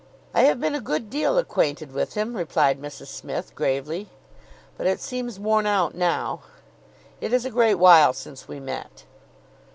"I have been a good deal acquainted with him," replied Mrs Smith, gravely, "but it seems worn out now. It is a great while since we met."